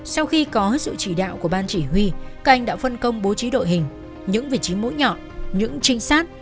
sau khi có sự chỉ đạo của ban chỉ huy các anh đã phân công bố trí đội hình những vị trí mũi nhọn những trinh sát